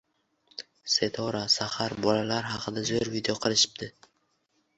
Setora, Sahar, Bolalar haqida zo‘r video qilishibdi.